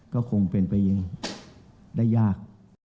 ก็คงเป็นไปยังได้ยาก